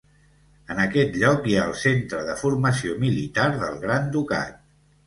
En aquest lloc hi ha el Centre de Formació Militar del Gran Ducat.